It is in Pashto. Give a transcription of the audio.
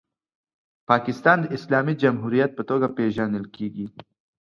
پاکستان د اسلامي جمهوریت په توګه پیژندل کیږي.